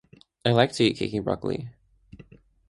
I like to eat cake and broccoli.